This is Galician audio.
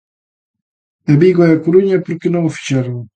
E Vigo e A Coruña ¿por que non o fixeron?